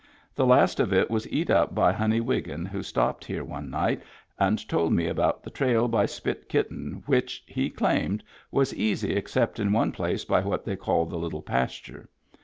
The last of it was eat up by Honey Wiggin who stopped here one night and told me about the trail by Spit Kitten witch he claimed was easy except in one place by what they call the Little Pasture.